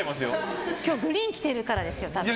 今日グリーン着てるからですよ。